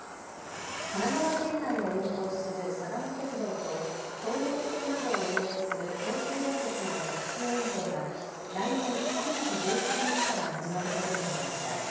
神奈川県内を運行する相模鉄道と東横線などを運営する東急電鉄の直通運転が来年３月１８日から始まることになりました。